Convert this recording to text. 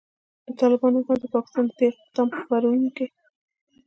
د طالبانو حکومت د پاکستان د دې اقدام په غبرګون کې